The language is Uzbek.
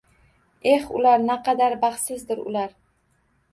Eh, ular, naqadar baxtsizdir ular.